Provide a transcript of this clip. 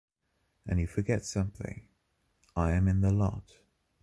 And you forget something:i am in the lot.